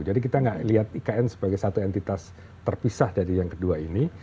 jadi kita gak lihat ikn sebagai satu entitas terpisah dari yang kedua ini